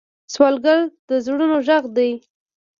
سوالګر د زړونو غږ دی